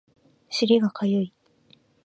尻がかゆい